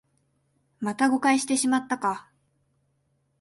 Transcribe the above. また誤解してしまったか